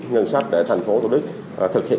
ngân sách để tp hcm thực hiện